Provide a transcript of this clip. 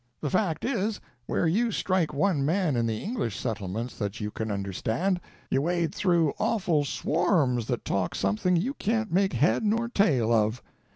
The fact is, where you strike one man in the English settlements that you can understand, you wade through awful swarms that talk something you can't make head nor tail of.